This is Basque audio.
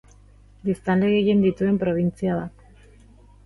Biztanle gehien dituen probintzia da.